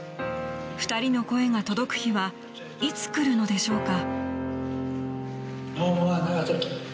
２人の声が届く日はいつ来るのでしょうか。